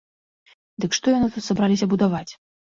Дык што яны тут сабраліся будаваць?